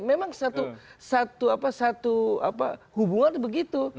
memang satu hubungan begitu